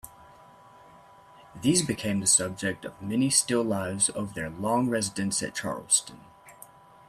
These became the subject of many still lives over their long residence at Charleston.